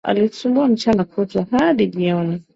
Alitusumbua mchana kutwa hadi jioni